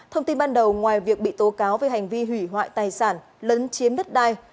thông tin ban đầu ngoài việc bị tố cáo về hành vi hủy hoại tài sản lấn chiếm đất đai